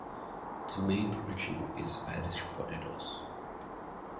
Its main production is Irish potatoes.